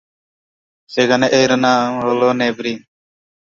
সেখানে এর নাম হল 'নেভরি'।